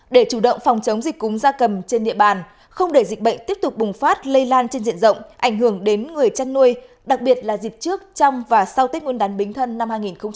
để chủ động phòng chống dịch cúm gia cầm trên địa bàn không để dịch bệnh tiếp tục bùng phát lây lan trên diện rộng ảnh hưởng đến người chăn nuôi đặc biệt là dịp trước trong và sau tết nguyên đán bính thân năm hai nghìn hai mươi